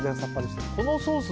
このソース